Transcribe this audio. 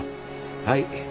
はい。